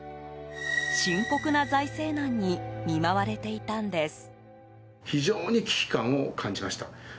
深刻な財政難に見舞われていたんです。